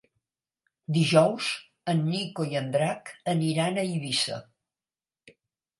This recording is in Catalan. Dijous en Nico i en Drac aniran a Eivissa.